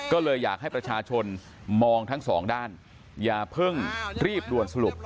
ก็เลยอยากให้ประชาชนมองทั้งสองด้านอย่าเพิ่งรีบด่วนสรุป